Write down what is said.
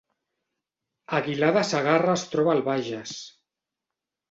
Aguilar de Segarra es troba al Bages